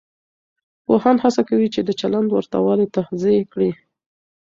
پوهان هڅه کوي چې د چلند ورته والی توضیح کړي.